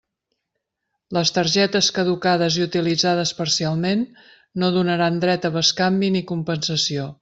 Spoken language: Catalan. Les targetes caducades i utilitzades parcialment no donaran dret a bescanvi ni compensació.